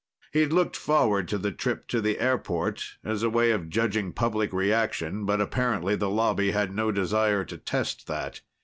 He'd looked forward to the trip to the airport as a way of judging public reaction. But apparently the Lobby had no desire to test that.